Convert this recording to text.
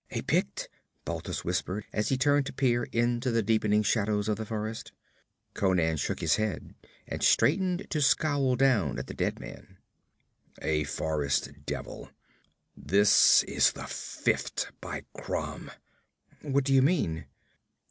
'A Pict?' Balthus whispered, as he turned to peer into the deepening shadows of the forest. Conan shook his head and straightened to scowl down at the dead man. 'A forest devil. This is the fifth, by Crom!' 'What do you mean?'